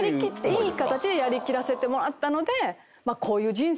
いい形でやり切らせてもらった。